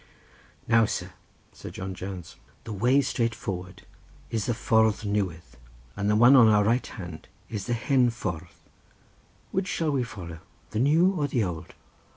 "Now, sir," said John Jones, "the way straight forward is the ffordd newydd and the one on our right hand, is the hen ffordd. Which shall we follow, the new or the old?"